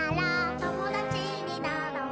「ともだちになろう」